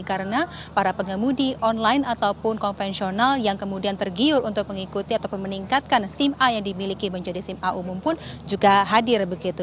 karena para pengemudi online ataupun konvensional yang kemudian tergiur untuk mengikuti atau meningkatkan sim a yang dimiliki menjadi sim a umum pun juga hadir begitu